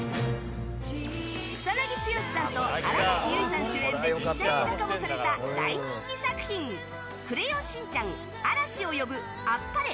草なぎ剛さんと新垣結衣さん主演で実写映画化もされた大人気作品「クレヨンしんちゃん嵐を呼ぶアッパレ！